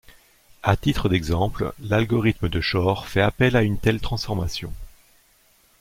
À titre d'exemple, l'algorithme de Shor fait appel à une telle transformation.